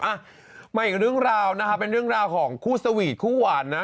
อ่ะมาอีกเรื่องราวนะครับเป็นเรื่องราวของคู่สวีทคู่หวานนะ